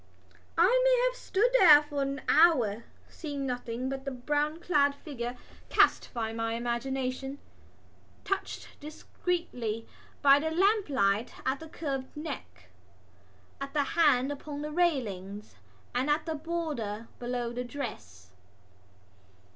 I may have stood there for an hour, seeing nothing but the brown clad figure cast by my imagination, touched discreetly by the lamplight at the curved neck, at the hand upon the railings and at the border below the dress.